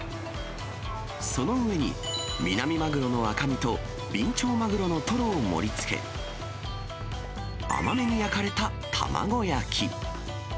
その上に、ミナミマグロの赤身と、ビンチョウマグロのトロを盛りつけ、甘めに焼かれた卵焼き。